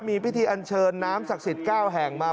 มีพิธีอันเชิญน้ำศักดิ์สิทธิ์๙แห่งมา